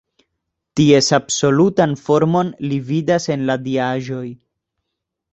Ties absolutan formon li vidas en la diaĵoj.